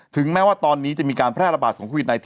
ถึงแม้ว่าตอนนี้จะมีการแพร่ระบาดของโควิด๑๙